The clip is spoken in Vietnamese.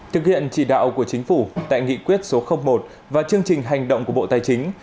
thực hiện chỉ đạo của chính phủ tại nghị quyết số một và chương trình hành động của bộ tài chính